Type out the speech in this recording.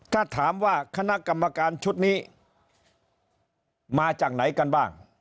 ถ้าถามว่าคณะกรรมการชุดนี้มาจากไหนกันบ้าง